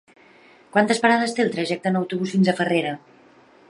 Quantes parades té el trajecte en autobús fins a Farrera?